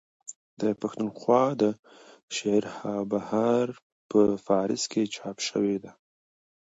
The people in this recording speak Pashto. د پښتونخوا دشعرهاروبهار په پاريس کي چاپ سوې ده.